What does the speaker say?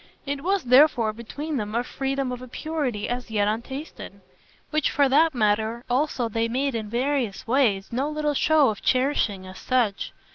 It was therefore between them a freedom of a purity as yet untasted; which for that matter also they made in various ways no little show of cherishing as such.